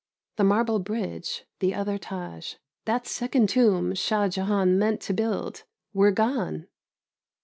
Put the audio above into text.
The marble bridge, the other Tâj that second tomb Shah Jahan meant to build were gone.